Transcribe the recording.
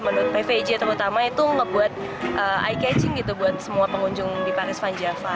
menurut kami semua menurut pvj terutama itu ngebuat eye catching gitu buat semua pengunjung di paris vanjava